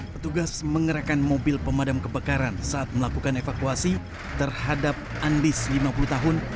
petugas mengerakan mobil pemadam kebakaran saat melakukan evakuasi terhadap andis lima puluh tahun